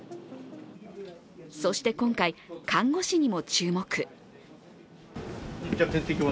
そして今回、看護師にも注目。